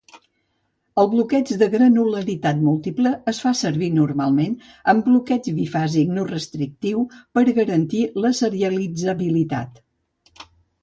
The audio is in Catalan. El bloqueig de granularitat múltiple es fa servir normalment amb bloqueig bifàsic no restrictiu per a garantir la serialitzabilitat.